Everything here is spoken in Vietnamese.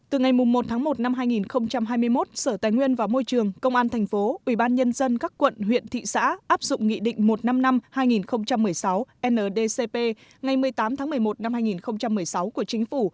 từ ngày một tháng một năm hai nghìn hai mươi một sở tài nguyên và môi trường công an tp ubnd các quận huyện thị xã áp dụng nghị định một trăm năm mươi năm hai nghìn một mươi sáu ndcp ngày một mươi tám tháng một mươi một năm hai nghìn một mươi sáu của chính phủ